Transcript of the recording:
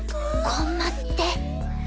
コンマスって？